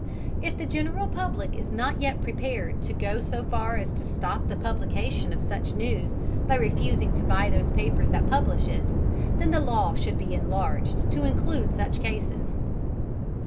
If the general public is not yet prepared to go so far as to stop the publication of such news by refusing to buy those papers that publish it, then the law should be enlarged to include such cases.